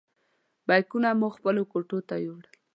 بیکونه مو خپلو کوټو ته یوړل.